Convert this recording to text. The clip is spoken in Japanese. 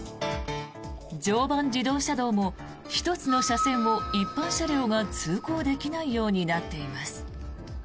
常磐自動車道も１つの車線を一般車両が通行できないようになっています。